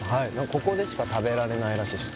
ここでしか食べられないらしいです